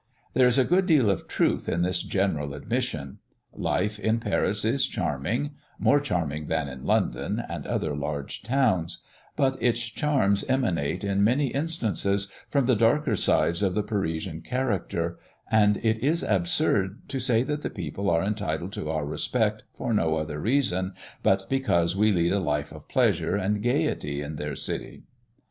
There is a good deal of truth in this general admission. Life in Paris is charming, more charming than in London and other large towns; but its charms emanate, in many instances, from the darker sides of the Parisian character; and it is absurd to say that the people are entitled to our respect for no other reason, but because we lead a life of pleasure and gaiety in their city.